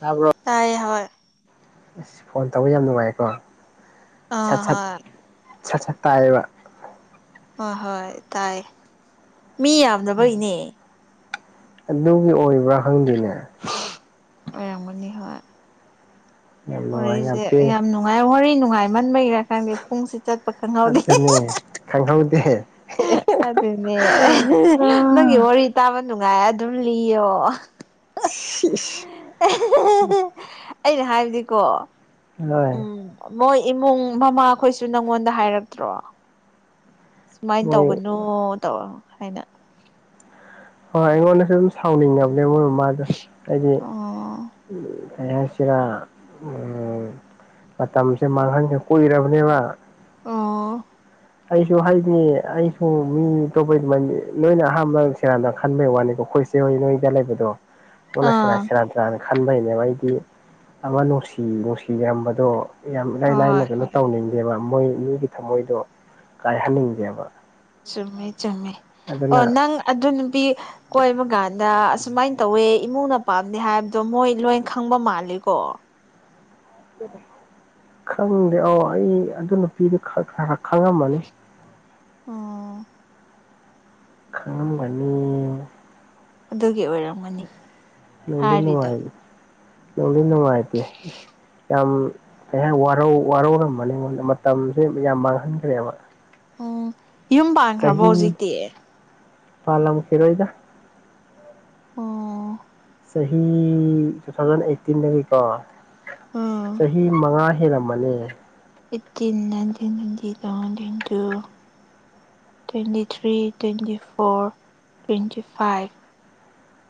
ꯇꯕꯔꯣ ꯇꯥꯏꯌꯦ ꯍꯣꯏ ꯑꯁ ꯐꯣꯟ ꯇꯧꯕ ꯌꯥꯝ ꯅꯨꯡꯉꯥꯏꯀꯣ ꯁꯠ ꯑꯥ ꯁꯠ ꯍꯣꯏ ꯁꯠ ꯁꯠ ꯇꯥꯏꯌꯦꯕ ꯍꯣꯏ ꯍꯣꯏ ꯇꯥꯏ ꯃꯤ ꯌꯥꯝꯗꯕꯒꯤ ꯏꯅꯦ ꯑꯗꯨꯒꯤ ꯑꯣꯏꯕ꯭ꯔꯥ ꯈꯪꯗꯦꯅꯦ ꯑꯣꯔꯝꯒꯅꯤ ꯍꫭꯏ ꯌꯥꯝ ꯅꯨꯡꯉꯥꯏ ꯋꯔꯤꯁꯦ ꯄꯦ ꯌꯥꯝ ꯅꯨꯡꯉꯥꯏ ꯋꯔꯤ ꯅꯨꯡꯉꯥꯏꯃꯟꯕꯒꯤ꯭ꯔꯥ ꯈꯥꯟꯗꯦ ꯄꯨꯡꯁꯤ ꯆꯠꯄ ꯈꯪ ꯑꯖꯅꯦ ꯈꯪ ꯈꯥꯎꯗꯦ ꯑꯗꯨꯅꯦ ꯅꯪꯒꯤ ꯋꯥꯔꯤ ꯇꯥꯕ ꯅꯨꯡꯉꯥꯏ ꯑꯗꯨꯝ ꯂꯤꯌꯣ ꯁꯤꯁ ꯑꯩꯅ ꯍꯥꯏꯕꯗꯤꯀꯣ UNINTELLIGIBLE ꯎꯝ ꯃꯣꯏ ꯏꯃꯨꯡ ꯃꯃꯥꯈꯣꯏꯁꯨ ꯅꯪꯉꯣꯟꯗ ꯍꯥꯏꯔꯛꯇ꯭ꯔꯣ ꯁꯨꯃꯥꯏꯅ ꯃꯣꯏ ꯇꯧꯕꯅꯣ ꯇꯧꯔ ꯍꯥꯏꯅ ꯑ ꯑꯩꯉꯣꯟꯅ ꯑꯗꯨꯝ ꯁꯥꯎꯅꯤꯡꯉ ꯑꯗ ꯃꯣꯏ ꯃ ꯃꯥꯗ ꯍꯥꯏꯗꯤ ꯑꯣ ꯀꯩ ꯍꯥꯏꯁꯤꯔꯥ ꯎꯝ ꯃꯇꯝꯁꯦ ꯃꯥꯡꯍꯟꯁꯦ ꯀꯨꯏꯔꯕꯅꯦꯕ ꯑꯥ ꯑꯩꯁꯨ ꯍꯥꯏꯗꯤ ꯑꯩꯁꯨ ꯃꯤ ꯇꯣꯞꯄꯩꯗꯨꯃ ꯂꯣꯏꯅ ꯑꯍꯥꯟꯕ ꯁꯦꯔꯅ ꯈꯟꯕꯩ ꯋꯥꯅꯤꯀꯣ ꯑꯩꯈꯣꯏꯁꯦ ꯆꯣꯏ ꯅꯣꯏꯗ ꯂꯩꯕꯗꯣ ꯑꯣ ꯁꯦꯔ ꯑꯥ ꯁꯦꯔꯥ ꯔꯅ ꯈꯟꯕꯅꯦꯕꯗꯤ ꯑꯃ ꯅꯨꯡꯁꯤ ꯅꯨꯡꯁꯤꯔꯔꯝꯕꯗꯣ ꯌꯥꯝ ꯏꯔꯥꯏ ꯂꯥꯏꯅ ꯍꯣꯏ ꯀꯩꯅꯣ ꯍꯣꯏ ꯇꯧꯅꯤꯡꯗꯦꯕ ꯃꯣꯏ ꯃꯤꯒꯤ ꯊꯃꯣꯏꯗꯣ ꯀꯥꯏꯍꯟꯅꯤꯡꯗꯦꯕ ꯆꯨꯝꯃꯦ ꯆꯨꯝꯃꯦ ꯑꯣ ꯑꯗꯨꯅ ꯅꯪ ꯑꯗꯨ ꯅꯨꯄꯤ ꯀꯣꯏꯕ ꯀꯥꯟꯗ ꯑꯁꯨꯃꯥꯏꯅ ꯇꯧꯋꯦ ꯏꯃꯨꯡꯅ ꯄꯥꯝꯗꯦ ꯍꯥꯏꯕꯗꯣ ꯃꯣꯏ ꯂꯣꯏ ꯈꯪꯕ ꯃꯥꯜꯂꯤꯀꯣ ꯈꯪꯗꯦ ꯑꯣ ꯑꯩ ꯑꯗꯨ ꯅꯨꯄꯤꯗꯨ ꯈ ꯈꯔ ꯈꯪꯉꯝꯃꯅꯤ ꯑꯣꯥ ꯈꯪꯂꯝꯒꯅꯤ ꯑꯗꯨꯒꯤ ꯑꯣꯏꯔꯝꯒꯅꯤ ꯍꯥꯏꯔꯤꯗꯣ UNINTELLIGIBLE ꯅꯨꯡꯉꯥꯏꯇꯦ ꯌꯥꯝ ꯀꯩ ꯍꯥꯏ ꯋꯥꯔꯧ ꯋꯥꯔꯧꯔꯝꯕꯅꯤ ꯑꯩꯉꯣꯟꯗ ꯃꯇꯝꯁꯦ ꯌꯥꯝ ꯃꯥꯡꯍꯟꯈ꯭ꯔꯦꯕ ꯎꯝ ꯌꯨꯝ ꯄꯥꯟꯈ꯭ꯔꯕꯣ ꯍꯧꯖꯤꯛꯇꯤ ꯄꯥꯂꯝ ꯈꯤꯔꫭꯏꯗ ꯑꫭ ꯆꯍꯤ ꯇꯨ ꯊꯥꯎꯖꯟ ꯑꯩꯠꯇꯤꯟꯗꯒꯤꯀꯣ ꯎꯝ ꯆꯍꯤ ꯃꯉꯥ ꯍꯦꯜꯂꯝꯃꯅꯦ ꯏꯠꯇꯤꯟ nineteen twenty twenty one twenty two twenty three twenty four twenty five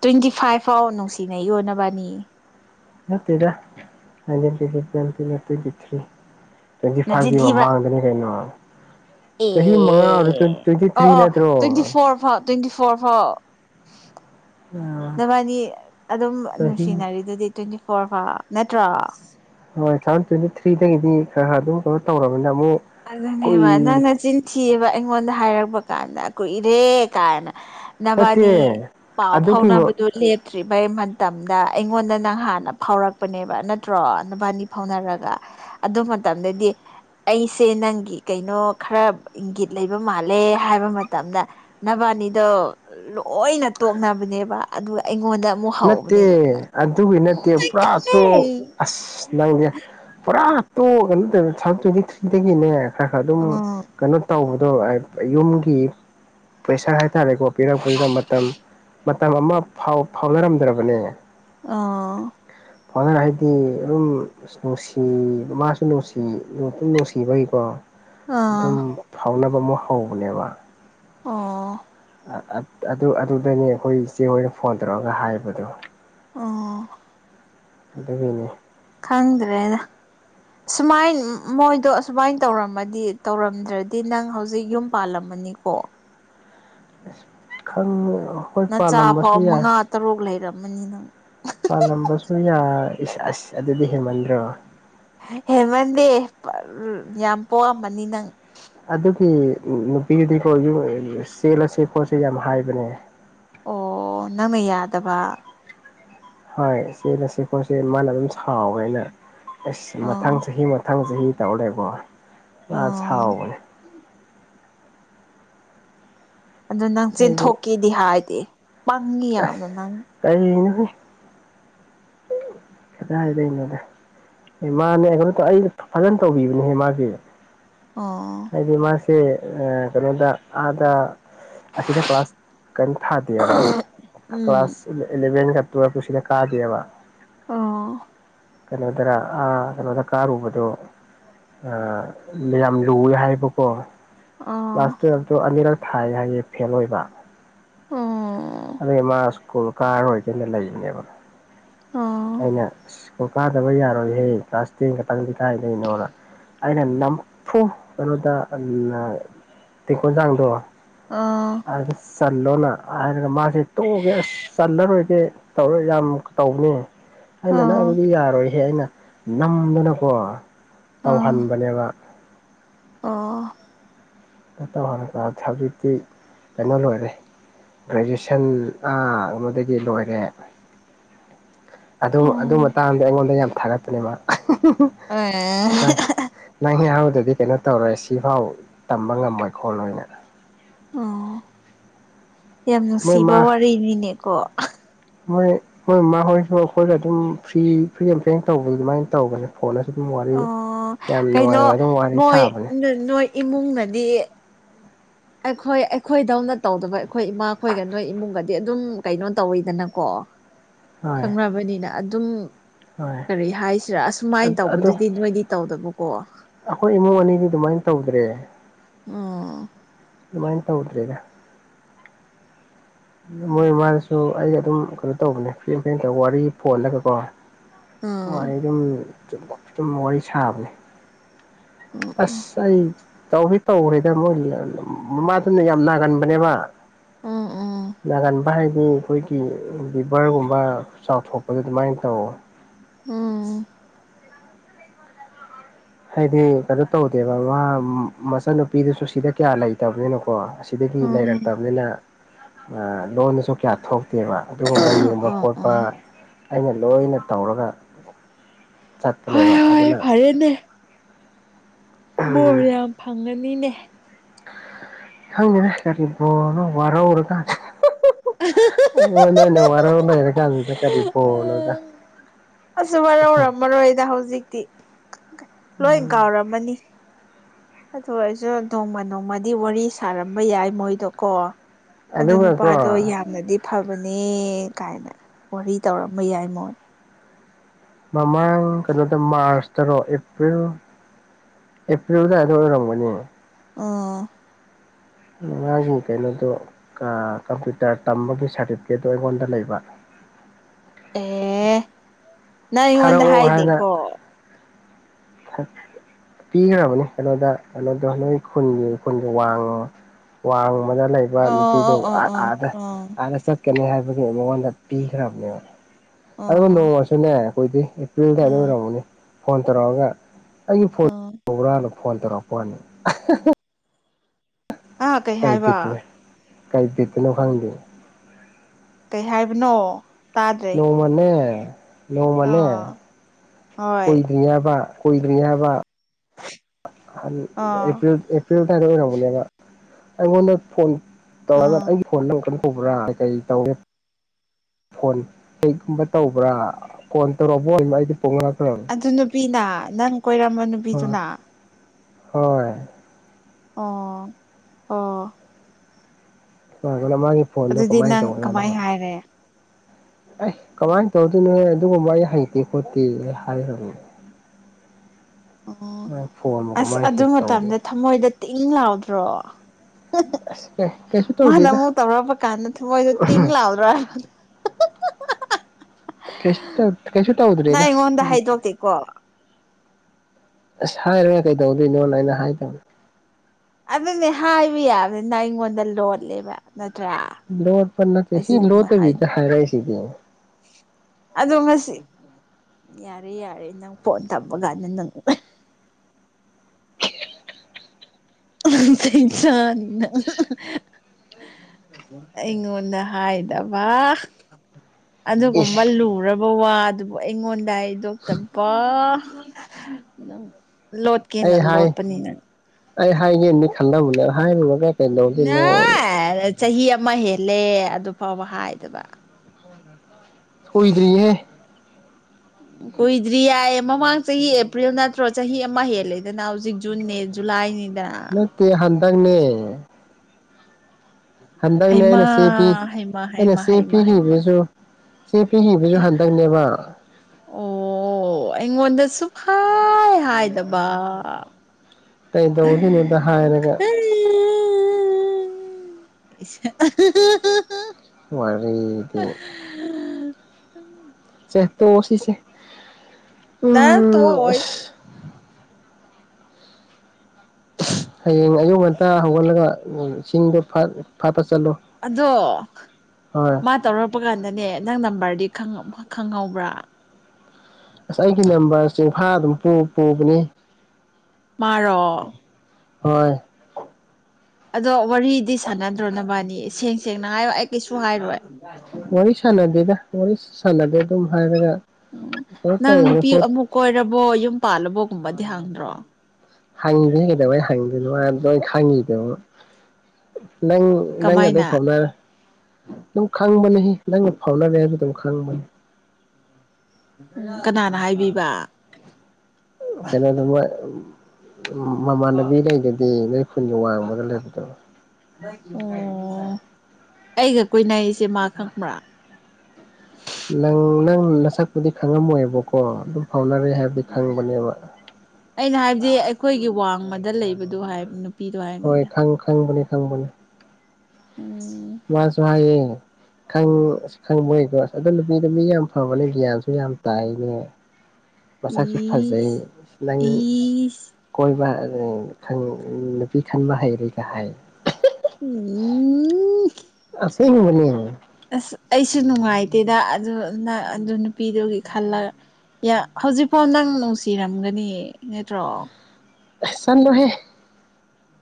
twenty five ꯐꯥꯎ ꯅꯨꯡꯁꯤꯅ ꯌꯣꯟ ꯅꯕꯅꯤ ꯅꯠꯇꯗ ꯍꯥꯏꯖ ꯇꯠ ꯀ ꯅꯠꯇ ꯇ꯭ꯋꯦꯟꯇꯤ ꯊꯔꯤ ꯇ꯭ꯋꯦꯟꯇꯤ ꯅꯆꯤꯟ ꯐꯥꯏꯚꯀꯤ ꯊꯤꯕ ꯃꯃꯥꯡꯗꯅꯤ ꯀꯩꯅꯣ ꯑꯦ ꯆꯍꯤ ꯃꯉꯥ ꯇ꯭ꯋꯦꯟꯇꯤ ꯑꯣ ꯊ꯭ꯔꯤ ꯑꯣ ꯅꯠꯇ꯭ꯔꯣ ꯇ꯭ꯋꯦꯟꯇꯤ ꯐꯣꯔ ꯐꯥꯎ ꯇ꯭ꯋꯦꯟꯇꯤ ꯐꯣꯔ ꯐꯥꯎ ꯅꯕꯥꯅꯤ ꯑꯗꯨꯝ ꯆꯍꯤ ꯍꯣꯏ ꯅꯨꯡꯁꯤꯅꯔꯤꯗꯨꯗꯤ ꯇ꯭ꯋꯦꯟꯇꯤ ꯐꯣꯔ ꯐꯥꯎ ꯅꯠꯇ꯭ꯔꯣ ꯍꯣꯏ ꯇꯨ ꯊꯥꯎꯖꯟ ꯇ꯭ꯋꯦꯟꯇꯤ ꯊ꯭ꯔꯤꯗꯒꯤꯗꯤ ꯈꯔ ꯈꯔ ꯑꯗꯨꯝ ꯀꯩꯅꯣ ꯇꯧꯔꯕꯅꯤ ꯑꯃꯨꯛ ꯀꯨꯏ ꯑꯗꯨꯅꯦꯕ ꯅꯪꯅ ꯆꯤꯟꯊꯤꯑꯕ ꯑꯩꯉꯣꯟꯗ ꯍꯥꯏꯔꯛꯄ ꯀꯥꯟꯗ ꯀꯨꯏꯔꯦ ꯀꯥꯏꯅ ꯅꯠꯇꯦ ꯅꯕꯥꯅꯤ ꯄꯥꯎ ꯑꯗꯨꯒꯤ ꯐꯥꯎꯅꯕꯗꯣ ꯂꯦꯞ ꯇ꯭ꯔꯤꯚꯩ ꯃꯇꯝꯗ ꯑꯩꯉꯣꯟꯗ ꯅꯪ ꯍꯥꯟꯅ ꯐꯥꯎꯔꯛꯄꯅꯦꯕ ꯅꯠꯇ꯭ꯔꯣ ꯅꯨꯄꯥꯅꯤ ꯐꯥꯎꯅꯔꯒ ꯑꯗꯨ ꯃꯇꯝꯗꯗꯤ ꯁꯦ ꯅꯪꯒꯤ ꯀꯩꯅꯣ ꯈꯔ ꯏꯪꯒꯤꯠ ꯂꯩꯕ ꯃꯥꯜꯂꯦ ꯍꯥꯏꯕ ꯃꯇꯝꯗ ꯅꯕꯥꯅꯤꯗꯣ ꯂꯣꯏꯅ ꯇꯣꯛꯅꯕꯅꯦꯕ ꯑꯗꯨꯒ ꯑꯩꯉꯣꯟꯗ ꯑꯃꯨꯛ ꯍꯧꯕꯅꯦ ꯅꯠꯇꯦ ꯅꯪꯅ ꯑꯗꯨꯒꯤ ꯅꯠꯇꯦ ꯄꯨꯔꯥ ꯈꯪꯉꯦ ꯇꯣ ꯑꯁ ꯅꯪꯗꯤ ꯄꯨꯔꯥ ꯇꯣ ꯀꯩꯅꯣ ꯇꯨ ꯊꯥꯎꯖꯟ ꯇ꯭ꯋꯦꯟꯇꯤ ꯊ꯭ꯔꯤꯗꯒꯤꯅꯦ ꯈꯔ ꯈꯔ ꯑꯗꯨꯝ ꯎꯝ ꯀꯩꯅꯣ ꯇꯧꯕꯗꯣ ꯌꯨꯝꯒꯤ ꯄ꯭ꯔꯦꯁꯔ ꯍꯥꯏꯇꯥꯔꯦꯀꯣ ꯄꯤꯔꯛꯄꯗꯨꯗ ꯃꯇꯝ ꯃꯇꯝ ꯑꯃ ꯐꯥꯎ ꯐꯥꯎꯅꯔꯝꯗ꯭ꯔꯕꯅꯦ ꯑꯥ ꯐꯥꯎꯅ ꯍꯥꯏꯗꯤ ꯑꯗꯨꯝ ꯑꯁ ꯅꯨꯡꯁꯤ ꯃꯥꯁꯨ ꯅꯨꯡꯁꯤ ꯑꯗꯨꯝ ꯅꯨꯡꯁꯤꯕꯒꯤꯀꯣ ꯑꯥ ꯑꯗꯨꯝ ꯐꯥꯎꯅꯕ ꯑꯃꯨꯛ ꯍꯧꯕꯅꯦꯕ ꯑꯣ ꯑꯗꯨ ꯑꯗꯨꯗꯅꯦ ꯑꯩꯈꯣꯏ ꯏꯆꯦ ꯍꯣꯏꯅ ꯐꯣꯟ ꯇꯧꯔꯒ ꯍꯥꯏꯕꯗꯣ ꯎꯝ ꯑꯗꯨꯒꯤꯅꯦ ꯈꯪꯗ꯭ꯔꯦꯗ ꯁꯨꯃꯥꯏ ꯃꯣꯏꯗꯣ ꯑꯁꯨꯃꯥꯏꯅ ꯇꯧꯔꯝꯃꯗꯤ ꯇꯧꯔꯝꯗ꯭ꯔꯗꯤ ꯅꯪ ꯍꯧꯖꯤꯛ ꯌꯨꯝ ꯄꯥꯜꯂꯝꯃꯅꯤꯀꯣ ꯑꯁ ꯈꯪ ꯅꯆꯥ ꯐꯥꯎ ꯃꯉꯥ ꯇꯔꯨꯛ ꯂꯩꯔꯝꯃꯅꯤ ꯅꯪ ꯄꯥꯜꯂꯝꯕꯁꯨ ꯌꯥꯏ ꯑꯁ ꯑꯗꯨꯗꯤ ꯍꯦꯟꯃꯟꯗ꯭ꯔꯣ ꯍꯦꯃꯟꯗꯦ ꯌꯥꯝ ꯄꯣꯛꯑꯝꯃꯅꯤ ꯅꯪ ꯑꯗꯨꯒꯤ ꯅꯨꯄꯤꯗꯨꯀꯣ ꯆꯦꯜꯂꯁꯦ ꯈꯣꯠꯁꯦ ꯌꯥꯝ ꯍꯥꯏꯕꯅꯦ ꯑꯣ ꯅꯪꯅ ꯌꯥꯗꯕ ꯍꯣꯏ ꯆꯦꯜꯂꯁꯦ ꯄꯣꯠꯁꯦ ꯃꯥꯅ ꯑꯗꯨꯝ ꯁꯥꯎꯋꯦꯅ ꯑꯁ ꯑꯣ ꯃꯊꯪ ꯆꯍꯤ ꯃꯊꯪ ꯃꯊꯪ ꯆꯍꯤ ꯇꯧꯔꯦꯀꯣ ꯃꯥ ꯑꯣ ꯁꯥꯎꯕꯅꯦ ꯑꯗꯨ ꯅꯪ ꯍꯥꯏꯗꯤ ꯑꯁ ꯆꯦꯟꯊꯣꯛꯀꯦꯗꯤ ꯍꯥꯏꯗꯤ ꯄꯪꯉꯤ ꯌꯥꯝꯅ ꯅꯪ ꯀꯔꯤꯅꯣꯍꯦ ꯀꯗꯥꯢꯗꯩꯅꯣꯗ ꯑꯦ ꯃꯥꯅꯦ ꯀꯩꯅꯣ ꯑꯩ ꯐꯖꯅ ꯇꯧꯕꯤꯕꯅꯦꯍꯦ ꯃꯥꯗꯤ ꯑꯣ ꯍꯥꯏꯗꯤ ꯃꯥꯁꯦ ꯑ ꯀꯩꯅꯣꯗ ꯑꯥꯗ ꯑꯁꯤꯗ ꯀ꯭ꯂꯥꯁ ꯀꯔꯤꯝ ꯊꯥꯗꯦꯕ ꯎꯝ ꯀ꯭ꯂꯥꯁ ꯏꯂꯚꯦꯟꯒ ꯇꯨꯋꯦꯞꯀ ꯁꯤꯗ ꯀꯥꯗꯦꯕ ꯑꯣ ꯀꯩꯅꯣꯗꯔꯥ ꯑꯥ ꯀꯩꯅꯣꯗ ꯀꯥꯔꯨꯕꯗꯣ ꯑ ꯌꯥꯝ ꯂꯨꯋꯦ ꯍꯥꯏꯕꯀꯣ ꯑꯣ ꯀ꯭ꯂꯥꯁ ꯇꯨꯌꯦꯜꯄꯇꯣ ꯑꯅꯤꯔꯛ ꯊꯥꯏ ꯍꯥꯏꯌꯦ ꯐꯦꯜ ꯑꯣꯏꯕ ꯑꯣ ꯑꯗꯨꯒꯤ ꯃꯥ ꯁ꯭ꯀꯨꯜ ꯀꯥꯔꯣꯏꯒꯦꯅ ꯂꯩꯕꯅꯦꯕ ꯑꯣ ꯑꯩꯅ ꯁ꯭ꯀꯨꯜ ꯀꯥꯗꯕ ꯌꯥꯔꯣꯏꯍꯦ ꯀ꯭ꯂꯥꯁ ꯇꯦꯟ ꯈꯛꯇꯪꯗꯤ ꯀꯥꯏꯗꯩꯅꯣꯅ ꯑꯩꯅ ꯅꯝꯐꯨ ꯀꯩꯅꯣꯗ ꯇꯦꯡꯀꯣꯟꯖꯥꯡꯗꯣ ꯑꯥ ꯍꯥꯏꯗ ꯆꯜꯂꯣꯅ ꯍꯥꯏꯔꯒ ꯃꯥꯁꯤ ꯇꯣꯛꯑꯒꯦ ꯑꯁ ꯆꯜꯂꯔꯣꯏꯒꯦ ꯇꯧꯔꯣꯢ ꯌꯥꯝ ꯇꯧꯕꯅꯦ ꯑꯩꯅ ꯅꯪ ꯑꯣ ꯑꯗꯨꯗꯤ ꯌꯥꯔꯣꯏꯍꯦ ꯑꯩꯅ ꯅꯝꯗꯅꯀꯣ ꯑꯥ ꯇꯧꯍꯟꯕꯅꯦꯕ ꯑꯣ ꯇꯧꯍꯅꯦ [inaudible] ꯍꯧꯖꯤꯛꯇꯤ ꯀꯩꯅꯣ ꯂꯣꯏꯔꯦ ꯒ꯭ꯔꯦꯖꯨꯌꯦꯁꯟ ꯑꯥ ꯀꯩꯅꯣꯗꯒꯤ ꯂꯣꯏꯔꯦ ꯑꯗꯨ ꯑꯣ ꯑꯗꯨ ꯃꯇꯥꯡꯗ ꯑꯩꯉꯣꯟꯗ ꯌꯥꯝ ꯊꯥꯒꯠꯄꯅꯦꯕ ꯅꯪ ꯌꯥꯎꯗ꯭ꯔꯗꯤ ꯀꯩꯅꯣ ꯇꯧꯔꯣꯢ ꯁꯤꯐꯥꯎ ꯇꯝꯕ ꯉꯝꯃꯣꯏ ꯈꯣꯠꯂꯣꯏꯅ ꯑꯣ ꯌꯥꯝ ꯃꯣꯏ ꯅꯨꯡꯁꯤꯕ ꯃꯥ ꯋꯥꯔꯤꯅꯤꯅꯦꯀꯣ ꯃꯣꯏ ꯃꯣꯏ ꯃꯥ ꯍꯣꯏꯁꯨ ꯑꯩꯈꯣꯏꯗ ꯑꯗꯨꯝ ꯐ꯭ꯔꯤ ꯐ꯭ꯔꯤ ꯑꯦꯝ ꯐꯦꯡ ꯇꯧꯕ ꯑꯗꯨꯃꯥꯏꯅ ꯇꯧꯕꯅꯦ ꯐꯣꯟꯁꯨ ꯑꯗꯨꯝ ꯋꯥꯔꯤ ꯑꯣ ꯌꯥꯝ ꯅꯨꯡꯉꯥꯏ ꯀꯩꯅꯣ ꯅꯨꯡꯉꯥꯏ ꯑꯗꯨꯝ ꯋꯥꯔꯤ ꯅꯣꯏ ꯁꯥꯕꯅꯦ ꯅꯣꯏ ꯏꯃꯨꯡꯅꯗꯤ ꯑꯩꯈꯣꯏ ꯑꯩꯈꯣꯏꯗꯧꯅ ꯇꯧꯗꯕ ꯑꯩꯈꯣꯏ ꯏꯃꯥꯈꯣꯏꯒ ꯅꯣꯏ ꯏꯃꯨꯡꯒꯗꯤ ꯑꯗꯨꯝ ꯀꯩꯅꯣ ꯇꯧꯋꯤꯗꯅꯀꯣ ꯍꯣꯏ ꯈꯪꯅꯕꯅꯤꯅ ꯑꯗꯨꯝ ꯍꯣꯏ ꯀꯔꯤ ꯍꯥꯏꯁꯤꯔꯥ ꯑꯁꯨꯃꯥꯏꯅ ꯑꯗꯣ ꯇꯧꯕꯗꯨꯗꯤ ꯅꯣꯏꯗꯤ ꯇꯧꯗꯕꯀꯣ ꯑꯩꯈꯣꯏ ꯏꯃꯨꯡ ꯑꯅꯤꯗꯤ ꯑꯗꯨꯃꯥꯏꯅ ꯇꯧꯗ꯭ꯔꯦ ꯑꯣ ꯁꯨꯃꯥꯏꯅ ꯇꯧꯗ꯭ꯔꯦꯗ ꯎꯝ ꯃꯣꯏꯃꯥꯅꯁꯨ ꯑꯩ ꯑꯗꯨꯝ ꯀꯩꯅꯣ ꯇꯧꯕꯅꯦ ꯐꯤ ꯐꯦꯡꯇ ꯋꯥꯔꯤ ꯐꯣꯜꯂꯒ ꯀꯣ ꯋꯥꯔꯤ ꯎꯝ ꯑꯗꯨꯝ ꯑꯗꯨꯝ ꯋꯥꯔꯤ ꯁꯥꯕꯅꯦ ꯎꯝ ꯑꯁ ꯑꯩ ꯇꯧꯁꯤ ꯇꯧꯈ꯭ꯔꯦꯗ ꯃꯣꯏ ꯃꯃꯥꯗꯨꯅ ꯌꯥꯝ ꯅꯥꯒꯟꯕꯅꯦꯕ ꯎꯝ ꯎꯝ ꯅꯥꯒꯟꯕ ꯍꯥꯏꯗꯤ ꯑꯩꯈꯣꯏꯒꯤ ꯕꯤꯚ꯭ꯔꯒꯨꯝꯕ ꯆꯥꯎꯊꯣꯛꯄꯗ ꯑꯗꯨꯃꯥꯏꯅ ꯇꯧꯋꯦ ꯎꯝ ꯍꯥꯏꯗꯤ ꯀꯩꯅꯣ ꯇꯧꯗꯦꯕ ꯃꯥ ꯃꯆꯟꯅꯨꯄꯤꯗꯨꯁꯨ ꯁꯤꯗ ꯀꯌꯥ ꯂꯩꯇꯕꯅꯤꯅꯀꯣ ꯎꯝ ꯁꯤꯗꯒꯤ ꯎꯝ ꯂꯩꯔꯛꯇꯕꯅꯤꯅ ꯂꯣꯟꯗꯁꯨ ꯀꯌꯥ ꯊꯣꯛ ꯅꯠꯇꯦꯕ ꯑꯗꯨꯒꯨꯝꯕ ꯌꯦꯡꯕ ꯎꯝ ꯈꯣꯠꯄ ꯎꯝ ꯑꯩꯅ ꯂꯣꯏꯅ ꯇꯧꯔꯒ ꯆꯠꯄꯅꯦꯕ ꯑꯗꯨꯅ ꯑꯗꯨꯅꯦ ꯃꯣꯔ ꯌꯥꯝ ꯐꯪꯉꯅꯤꯅꯦ ꯈꯪꯗꯦꯅ ꯀꯒꯥꯔꯤ ꯕꯣꯅꯣ ꯋꯥꯔꯧꯔꯒ ꯑꯣ ꯅꯣꯏꯅ ꯋꯥꯔ ꯂꯩꯔ ꯀꯥꯟꯗ ꯀꯔꯤ ꯄꯣꯅꯗ ꯑꯁ ꯋꯥꯔꯧꯔꯝꯃꯔꯣꯏꯗ ꯍꯧꯖꯤꯛꯇꯤ ꯂꯣꯏ ꯀꯥꯎꯔꯝꯃꯅꯤ ꯑꯗꯨꯗ ꯑꯩꯁꯨ ꯅꯣꯡꯃ ꯅꯣꯡꯃꯗꯤ ꯋꯥꯔꯤ ꯁꯥꯔꯝꯕ ꯌꯥꯏ ꯃꯣꯏꯗꯣ ꯀꯣ ꯑ ꯑꯗꯨꯒꯀꯣ ꯅꯨꯄꯥꯗꯣ ꯌꯥꯝꯅꯗꯤ ꯐꯕꯅꯦ ꯀꯥꯏꯅ ꯋꯥꯔꯤ ꯇꯧꯔꯝꯕ ꯌꯥꯏ ꯃꯣꯏ ꯃꯃꯥꯡ ꯀꯩꯅꯣꯗ ꯃꯥꯔꯁꯇꯔꯣ ꯑꯦꯄ꯭ꯔꯤꯜ ꯑꯦꯄ꯭ꯔꯤꯜ ꯑꯗꯨꯋꯥꯏꯗ ꯑꯣꯏꯔꯝꯒꯅꯤ ꯎꯝ ꯑꯉꯥꯡꯁꯤꯡꯒꯤ ꯀꯩꯅꯣꯗꯣ ꯀꯝꯄ꯭ꯌꯨꯇꯔ ꯇꯝꯕꯒꯤ ꯁꯥꯔꯇꯤꯐꯤꯀꯦꯠꯇꯣ ꯑꯩꯉꯣꯟꯗ ꯂꯩꯕ ꯑꯦ ꯅꯪ ꯑꯩꯉꯣꯟꯗ ꯊꯥꯔꯛꯑꯣ ꯍꯥꯏꯅ ꯍꯥꯏꯗꯦꯀꯣ ꯄꯤꯈ꯭ꯔꯕꯅꯤ ꯀꯩꯅꯣꯗ ꯀꯩꯅꯣꯗ ꯅꯣꯏ ꯈꯨꯟꯒꯤ ꯈꯨꯟꯒꯤ ꯋꯥꯡ ꯋꯥꯡꯃꯅ ꯂꯩꯕ ꯑꯣ ꯅꯨꯄꯤꯗꯨꯣ ꯑꯣ ꯑꯣ ꯑꯣ ꯑꯥ ꯑꯣ ꯑꯥꯗ ꯆꯠ ꯀꯅꯤ ꯍꯥꯏꯕꯒꯤ ꯃꯉꯣꯟꯗ ꯄꯤꯈ꯭ꯔꯕꯅꯦꯕ ꯑꯗꯨ ꯑꯣ ꯅꯣꯡꯃꯁꯨꯅꯦ ꯑꯩꯈꯣꯏꯗꯤ ꯑꯦꯄ꯭ꯔꯤꯜꯗ ꯑꯗꯨꯝ ꯑꯥ ꯑꯣꯏꯔꯝꯃꯅꯦ ꯐꯣꯟ ꯇꯧꯔꯛꯑꯒ ꯑꯩꯒꯤ ꯐꯣꯟ ꯑꯥ ꯇꯧꯕ꯭ꯔꯥꯅ ꯐꯣꯟ ꯇꯧꯔꯛꯄꯅꯤ ꯑꯥ ꯀꯩ ꯍꯥꯏꯕ [unintelligible] ꯀꯩ ꯍꯥꯏꯕꯅꯣ ꯇꯥꯗ ꯍꯣꯅꯦ ꯅꯣꯡꯃꯅꯦ ꯑꯥ ꯍꯣꯏ ꯀꯣꯏꯗ꯭ꯔꯤ ꯍꯥꯏꯕ ꯀꯣꯏꯗ꯭ꯔꯤ ꯍꯥꯏꯕ ꯍꯟ ꯑꯥ ꯑꯦꯄꯔꯤꯜ ꯄꯔꯤꯜ ꯑꯣꯇꯥꯏꯗ ꯑꯣꯏꯔꯝꯒꯅꯦꯕ ꯑꯩꯉꯣꯟꯗ ꯐꯣꯟ ꯇꯧꯔꯒ ꯑꯥ ꯑꯩꯒꯤ ꯐꯣꯟ ꯑꯃꯨꯛꯇꯪ ꯇꯧꯕꯔꯥ ꯀꯩꯀꯩ ꯐꯣꯟ ꯀꯩꯒꯨꯝꯕ ꯇꯧꯕ꯭ꯔꯥ ꯐꯣꯟ ꯇꯧꯔꯛꯔꯕ ꯑꯩꯗꯤ [unintelligible] ꯑꯗꯨ ꯅꯨꯄꯤꯅ ꯅꯪ ꯀꯣꯏꯔꯝꯕ ꯅꯨꯄꯤꯗꯨꯅ ꯍꯣꯏ ꯑꯣ ꯑꯣ ꯃꯥꯅ ꯃꯥꯒꯤ ꯐꯣꯟꯗꯣ ꯑꯗꯨꯗꯤ ꯀꯃꯥꯏꯅ ꯇꯧ ꯅꯪ ꯀꯃꯥꯏ ꯍꯥꯏꯔꯦ ꯑꯦ ꯀꯃꯥꯏꯅ ꯇꯧꯗꯣꯏꯅꯣ ꯑꯗꯨꯒꯨꯝꯕ ꯑꯩ ꯍꯩꯇꯦ ꯈꯣꯠꯇꯦ ꯑꯩ ꯍꯥꯏꯈ꯭ꯔꯕꯅꯦ ꯎꯝ ꯃ ꯐꯣꯟ ꯑꯃꯨꯀ ꯑꯁ ꯃꯥꯏꯅ ꯑꯗꯨ ꯍꯤꯛ ꯇꯧꯁꯦ ꯃꯇꯝꯗ ꯊꯃꯣꯏꯗ ꯇꯤꯡꯂꯥꯎꯗ꯭ꯔꯣ ꯑꯁ ꯀꯩꯁꯨ ꯃꯥꯅ ꯇꯧꯗꯦꯗ ꯑꯃꯨꯛ ꯇꯧꯔꯛꯄ ꯀꯥꯟꯗ ꯊꯃꯣꯏꯗ ꯇꯤꯡ ꯂꯥꯎꯗ꯭ꯔꯣ ꯍꯥꯏꯕ ꯀꯩꯁ ꯇ ꯀꯩꯁ ꯇ ꯅꯪ ꯍꯗ꯭ꯔꯦꯗ ꯑꯩꯉꯣꯟꯗ ꯍꯥꯏꯗꯣꯛꯇꯦꯀꯣ ꯑꯁ ꯍꯥꯏꯔꯒ ꯀꯩꯗꯧꯗꯣꯏꯅꯣꯅ ꯑꯩꯅ ꯍꯥꯏꯗꯕꯅꯦ ꯑꯗꯨꯅꯦ ꯍꯥꯏꯕ ꯌꯥꯕꯅꯤꯅ ꯑꯩꯉꯣꯟꯗ ꯂꯣꯂꯦꯕ ꯅꯠꯇ꯭ꯔꯥ ꯂꯣꯠꯄ ꯅꯠꯇꯦ ꯁꯤ ꯑꯁꯤꯒꯨꯝꯕ ꯂꯣꯠꯇꯕꯤꯗ ꯍꯥꯏꯗꯣ ꯍꯥꯏꯔꯛꯏ ꯁꯤꯗꯤ ꯑꯗꯣ ꯉꯁꯤ ꯌꯥꯔꯦ ꯌꯥꯔꯦ ꯅꯪ ꯐꯣꯟ ꯊꯝꯕ ꯀꯥꯟꯗ ꯅꯪ ꯑ ꯑꯍ ꯆꯩ ꯆꯥꯅꯤ ꯅꯪ ꯑꯍ ꯑꯍ ꯍꯍ ꯑꯩꯉꯣꯟꯗ ꯍꯥꯏꯗꯕ ꯏꯁ ꯑꯗꯨꯒꯨꯝꯕ ꯂꯨꯔꯕ ꯕ ꯋꯥꯗꯨꯕꯨ ꯑꯩꯉꯣꯟꯗ ꯍꯥꯏꯗꯣꯛꯇꯕ ꯅꯪ ꯂꯣꯠꯀꯦꯅ ꯑꯩ ꯍꯥꯏ ꯂꯣꯠꯄꯅꯤ ꯅꯪ ꯑꯩ ꯍꯥꯏꯒꯦꯟꯗꯤ ꯈꯜꯂꯝꯕꯅꯦꯕ ꯍꯥꯏꯔꯨꯔꯒ ꯀꯩꯗꯧꯗꯣꯏꯅꯣ ꯅꯥ ꯆꯍꯤ ꯑꯃ ꯍꯦꯜꯂꯦ ꯑꯗꯨꯐꯥꯎꯕ ꯍꯥꯏꯗꯕ [unintelligible] ꯀꯨꯏꯗ꯭ꯔꯤꯍꯦ [inaudible] ꯀꯨꯏꯗ꯭ꯔꯤ ꯌꯥꯏ ꯌꯦ ꯃꯃꯥꯡ ꯆꯍꯤ ꯑꯦꯄ꯭ꯔꯤꯜ ꯅꯠꯇ꯭ꯔꯣ ꯆꯍꯤ ꯑꯃ ꯍꯦꯜꯂꯦꯗꯅ ꯍꯧꯖꯤꯛ ꯖꯨꯟꯅꯦ ꯖꯨꯂꯥꯏꯅꯦꯗ ꯅꯠꯇꯦ ꯍꯟꯗꯛꯅꯦ ꯍꯟꯗꯛꯅꯦ ꯍꯩꯃꯥ ꯑꯩꯅ ꯆꯦ ꯄꯤ ꯍꯩꯃꯥ ꯑꯩꯅ ꯍꯩꯃꯥ ꯆꯦ ꯍꯩꯃꯥ ꯍꯩꯃꯥ ꯄꯤꯈꯤꯕꯁꯨ ꯆꯦ ꯄꯤꯒꯤꯕꯖꯨ ꯍꯟꯗꯛꯅꯦꯕ ꯑꯣ ꯑꯩꯉꯣꯟꯗ ꯁꯨꯨꯛꯍꯥꯏ ꯍꯥꯏꯗꯕ ꯀꯩꯗꯧꯗꯣꯏꯅꯣꯗ ꯍꯥꯏꯔꯒ ꯂꯧꯁꯤꯟꯕ ꯉꯝꯗꯕ ꯏꯁ ꯑꯍ ꯍ ꯍ ꯋꯥꯔꯤꯗꯤ ꯆꯦ ꯇꯣꯛꯑꯁꯤ ꯁꯦ ꯗꯥꯏꯔꯦꯛ ꯎꯝ ꯇꯣꯛꯑꯣꯏ ꯑꯁ ꯍꯌꯦꯡ ꯑꯌꯨꯛ ꯉꯟꯇꯥ ꯍꯧꯒꯠꯂꯒ ꯎꯡ ꯏ ꯆꯤꯡꯗꯣ ꯐꯥꯠ ꯐꯠ ꯐꯠ ꯆꯠꯂꯨ ꯑꯗꯣ ꯃꯥ ꯇꯧꯔꯛꯄ ꯀꯥꯟꯗꯅꯦ ꯅꯪ ꯅꯝꯕꯔꯗꯤ ꯈꯪ ꯈꯪꯍꯧꯕ꯭ꯔꯥ ꯑꯁ ꯑꯩꯒꯤ ꯅꯝꯕꯔ ꯆꯤꯟꯐꯥ ꯑꯗꯨꯝ ꯄꯨ ꯄꯨꯕꯅꯦ ꯃꯥꯔꯣ ꯍꯣꯏ ꯑꯗꯣ ꯋꯥꯔꯤꯗꯤ ꯁꯥꯟꯅꯗ꯭ꯔꯣ ꯅꯕꯥꯅꯤ ꯁꯦꯡ ꯁꯦꯡꯅ ꯍꯥꯏꯌꯣ ꯑꯩ ꯀꯩꯁꯨ ꯍꯥꯏꯔꯣꯏ ꯋꯥꯔꯤ ꯁꯥꯟꯅꯗꯦꯗ ꯋꯥꯔꯤ ꯁꯥꯟꯅꯗꯦ ꯑꯗꯨꯝ ꯍꯥꯏꯔꯒ ꯎꯝ ꯀꯩꯅꯣ ꯅꯪ ꯇꯧꯈ꯭ꯔꯦ ꯅꯨꯄꯤ ꯈꯣꯠ ꯑꯃꯨꯛ ꯀꯣꯏꯔꯕꯣ ꯌꯨꯝ ꯄꯥꯜꯂꯕꯣ ꯒꯨꯝꯕꯗꯤ ꯍꯪꯗ꯭ꯔꯣ ꯍꯪꯗꯦꯍꯦ ꯀꯩꯗꯧꯕꯩ ꯍꯪꯗꯣꯏꯅꯣ ꯃꯥ ꯂꯣꯏ ꯈꯪꯉꯤꯗꯨꯕꯨ ꯅꯪ ꯅꯪꯒꯥ ꯑꯗꯨꯝ ꯀꯃꯥꯏꯅ ꯐꯥꯎꯅꯔ ꯑꯗꯨꯝ ꯈꯪꯕꯅꯤꯍꯦ ꯅꯪꯅ ꯐꯥꯎꯅꯔꯦ ꯍꯥꯏꯁꯨ ꯑꯗꯨꯝ ꯈꯪꯕꯅꯤ ꯎꯝ ꯀꯅꯥꯅ ꯍꯥꯏꯕꯤꯕ ꯀꯩꯅꯣꯗꯣ ꯃꯣꯏ ꯃꯃꯥꯟꯅꯕꯤ ꯂꯩꯗꯨꯗꯤ ꯅꯣꯏ ꯈꯨꯟꯒꯤ ꯋꯥꯡꯃꯗ ꯂꯩꯕꯗꯣ ꯑꯣ ꯑꯩꯒ ꯀꯣꯏꯅꯔꯤꯁꯦ ꯃꯥ ꯈꯪꯕ꯭ꯔꯥ ꯅꯪ ꯅꯪ ꯅꯁꯛꯄꯨꯗꯤ ꯈꯪꯉꯝꯃꯣꯏꯕꯀꯣ ꯑꯗꯨꯝ ꯐꯥꯎꯅꯔꯦ ꯍꯥꯏꯕꯗꯤ ꯈꯪꯕꯅꯦꯕ ꯑꯩꯅ ꯍꯥꯏꯕꯗꯤ ꯑꯩꯈꯣꯏꯒꯤ ꯋꯥꯡꯃꯗ ꯂꯩꯕꯗꯨ ꯍꯥꯏꯕ ꯅꯨ ꯍꯣꯏ ꯈꯪ ꯈꯪꯕꯅꯤ ꯈꯪꯕꯅꯤ ꯎꯝ ꯃꯥꯁꯨ ꯍꯥꯏꯌꯦ ꯈꯪꯉꯨ ꯑꯁ ꯈꯪꯕꯣꯏꯀꯣ ꯑꯁ ꯑꯗꯨ ꯅꯨꯄꯤꯗꯣ ꯃꯤ ꯌꯥꯝ ꯐꯕꯅꯦ ꯒ꯭ꯌꯥꯟꯁꯨ ꯌꯥꯝ ꯇꯥꯏꯅꯦ ꯇꯥꯕ ꯉꯝꯗꯕ ꯃꯁꯛꯁꯨ ꯐꯖꯩ ꯏꯁ ꯅꯪ ꯏꯁ ꯀꯣꯏꯕ ꯑꯗꯩ ꯈꯟ ꯅꯨꯄꯤ ꯈꯟꯕ ꯍꯩꯔꯦꯒ ꯍꯥꯏ ꯎꯝ ꯁꯦꯡꯕꯅꯦ ꯑꯁ ꯑꯩꯁꯨ ꯅꯨꯡꯉꯥꯏꯇꯦꯗ ꯑꯗꯨ ꯅ ꯑꯗꯨ ꯅꯨꯄꯤꯗꯨꯒꯤ ꯈꯜꯂꯒ ꯌꯥ ꯍꯧꯖꯤꯛꯐꯥꯎ ꯅꯪ ꯅꯨꯡꯁꯤꯔꯝꯒꯅꯤ ꯅꯠꯇ꯭ꯔꯣ ꯑꯁ ꯆꯠꯂꯣꯍꯦ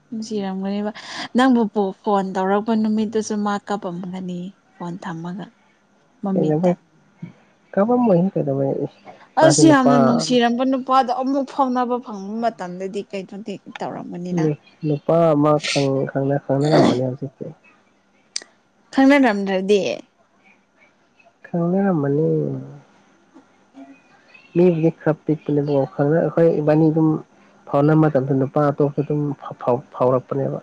ꯅꯨꯡꯁꯤꯔꯝꯒꯅꯦꯕ ꯅꯪꯕꯨ ꯐꯣꯟ ꯇꯧꯔꯛꯄ ꯅꯨꯃꯤꯠꯇꯨꯁꯨ ꯃꯥ ꯀꯥꯄꯝꯒꯅꯤ ꯐꯣꯟ ꯊꯝꯃꯒ ꯃꯃꯤꯠꯇ ꯀꯥꯞꯄꯥꯝꯃꯣꯢꯍꯦ ꯀꯩꯗꯧꯕꯩ ꯑꯁ ꯃꯥꯁꯨ ꯌꯥꯝꯅ ꯅꯨꯄꯥ ꯅꯨꯡꯁꯤꯔꯝꯕ ꯅꯨꯄꯥꯗꯣ ꯑꯃꯨꯛ ꯐꯥꯎꯅꯕ ꯐꯪꯕ ꯃꯇꯝꯗꯗꯤ ꯀꯩꯗꯧꯗꯦ ꯎ ꯅꯨꯄꯥ ꯑꯃ ꯈꯪꯅ ꯈꯪꯅꯔꯝꯃꯅꯤ ꯍꯧꯖꯤꯛꯇꯤ ꯈꯪꯅꯔꯝꯗ꯭ꯔꯗꯤ ꯈꯪꯅꯔꯝꯃꯅꯤ ꯃꯤꯕꯨꯗꯤ ꯈꯔ ꯄꯤꯛꯄꯅꯦꯕꯀꯣ ꯈꯪꯅ ꯑꯩꯈꯣꯏ ꯏꯕꯥꯅꯤ ꯑꯗꯨꯝ ꯐꯥꯎꯅ ꯃꯇꯝꯁꯨ ꯅꯨꯄꯥ ꯑꯇꯣꯞꯄ ꯑꯗꯨꯝ ꯐꯥꯎ ꯐꯥꯎ ꯐꯥꯎꯔꯛꯄꯅꯦꯕ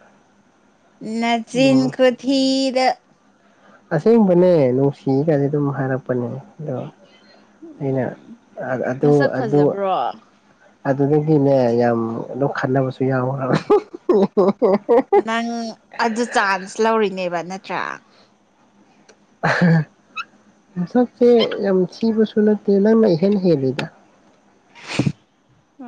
ꯅꯆꯤꯟ ꯎꯝ ꯈꯨꯊꯤꯗꯣ ꯑꯁꯦꯡꯕꯅꯦ ꯅꯨꯡꯁꯤꯒꯗꯤ ꯑꯗꯨꯝ ꯍꯥꯏꯔꯛꯄꯅꯦ ꯑꯗꯣ ꯑꯩꯅ ꯑꯥꯗ ꯑꯗꯨ ꯃꯁꯛ ꯑꯗꯨ ꯐꯖꯕ꯭ꯔꯣ ꯑꯗꯨꯗꯒꯤꯅꯦ ꯌꯥꯝ ꯑꯗꯨꯝ ꯈꯠꯅꯕꯁꯨ ꯌꯥꯎꯒ꯭ꯔꯦ ꯑꯍꯤ ꯍꯤ ꯍꯤ ꯍ ꯍ ꯍꯍ ꯅꯪ ꯑꯗꯨ ꯆꯥꯟꯁ ꯂꯧꯔꯤꯅꯦꯕ ꯅꯠꯇ꯭ꯔꯥ ꯃꯁꯛꯁꯦ ꯌꯥꯝ ꯊꯤꯕꯁꯨ ꯅꯠꯇꯦ ꯅꯪꯅ ꯏꯍꯦꯟ ꯍꯦꯜꯂꯤꯗ [inaudible] ꯑ